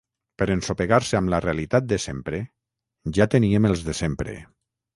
Per ensopegar-se amb la realitat de sempre ja teníem els de sempre.